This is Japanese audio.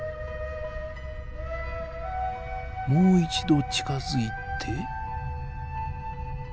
もう一度近づいて。